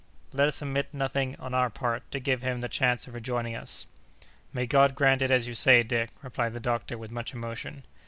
Let us omit nothing on our part to give him the chance of rejoining us." "May God grant it as you say, Dick!" replied the doctor, with much emotion.